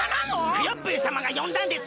クヨッペンさまがよんだんです！